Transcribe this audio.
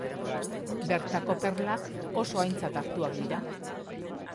Bertako perlak oso aintzat hartuak dira.